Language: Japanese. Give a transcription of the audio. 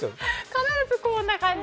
必ずこんな感じ。